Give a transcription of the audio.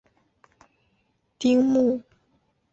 盐釜口车站是位于爱知县名古屋市天白区盐釜口一丁目。